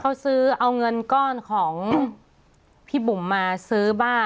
เขาซื้อเอาเงินก้อนของพี่บุ๋มมาซื้อบ้า